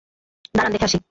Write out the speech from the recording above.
দাঁড়ান দেখে আসি।